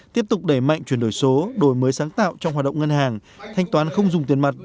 tiếp tục đẩy mạnh chuyển đổi số đổi mới sáng tạo trong hoạt động ngân hàng thanh toán không dùng tiền mặt